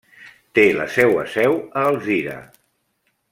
Té la seua seu a Alzira.